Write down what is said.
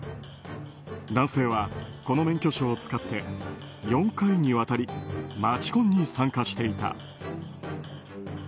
男性は、この免許証を使って４回にわたり街コンに参加していた。